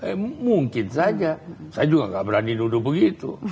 eh mungkin saja saya juga nggak berani duduk begitu